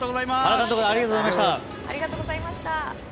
原監督ありがとうございました。